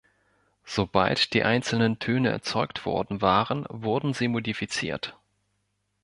Sobald die einzelnen Töne erzeugt worden waren, wurden sie modifiziert.